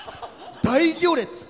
大行列！